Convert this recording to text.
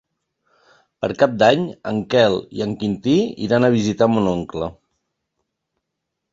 Per Cap d'Any en Quel i en Quintí iran a visitar mon oncle.